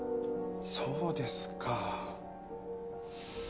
そうですか。